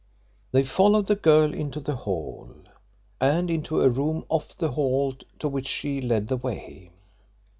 They followed the girl into the hall, and into a room off the hall to which she led the way.